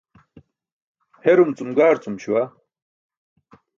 Herum cum gaarcum śuwa.